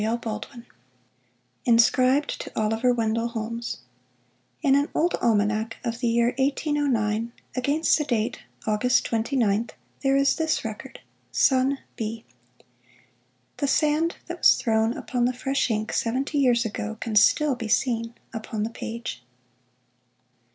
FOUR LETTERS (inscribed to OLIVER WENDELL HOLMES) [In an old almanac of the year 1809, against the date August 29th, there is this record, *• Son b." The sand that was thrown upon the fresh ink seventy years ago can still be seen upon the page.